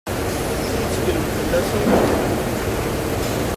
Tetteklemt fell-asent?